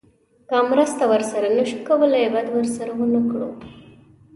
که مرسته ورسره نه شو کولی بد ورسره ونه کړو.